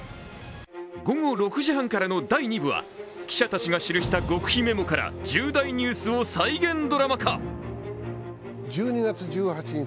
午後６時半からの第２部は記者たちが記した極秘メモから重大ニュースを再現ドラマ化。